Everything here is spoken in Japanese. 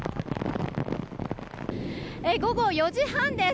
午後４時半です。